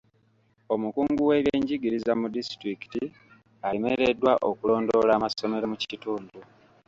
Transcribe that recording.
Omukungu w'ebyenjigiriza mu disitulikiti alemereddwa okulondoola amasomero mu kitundu.